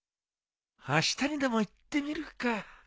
あしたにでも行ってみるか。